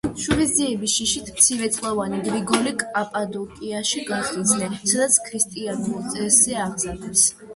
შურისძიების შიშით მცირეწლოვანი გრიგოლი კაპადოკიაში გახიზნეს, სადაც ქრისტიანულ წესზე აღზარდეს.